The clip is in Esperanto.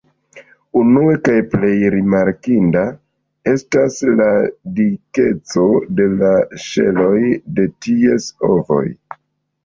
Unue kaj plej rimarkinda estas la dikeco de la ŝeloj de ties ovoj.